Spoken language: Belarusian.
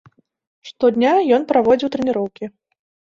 Штодня ён праводзіў трэніроўкі.